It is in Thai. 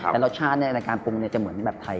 แต่รสชาติในการปรุงจะเหมือนแบบไทย